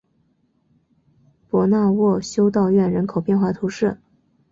博纳沃修道院人口变化图示